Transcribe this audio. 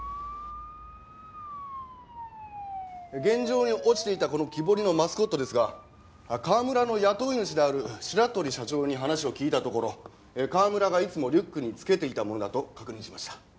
現場に落ちていたこの木彫りのマスコットですが川村の雇い主である白鳥社長に話を聞いたところ川村がいつもリュックにつけていたものだと確認しました。